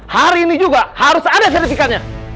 hari ini juga harus ada sertifikatnya